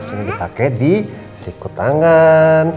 ini dipakai di sikut tangan